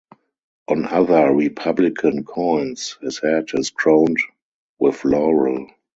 On other Republican coins, his head is crowned with laurel.